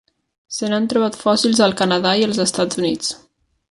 Se n'han trobat fòssils al Canadà i els Estats Units.